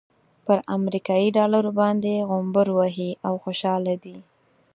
پر امريکايي ډالرو باندې غومبر وهي او خوشحاله دی.